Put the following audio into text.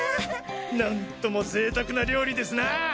なんとも贅沢な料理ですなぁ。